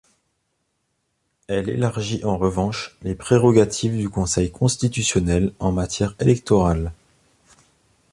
Elle élargit en revanche les prérogatives du Conseil constitutionnel en matière électorale.